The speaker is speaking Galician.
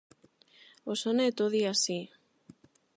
O soneto di así: